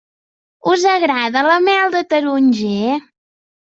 Us agrada la mel de taronger?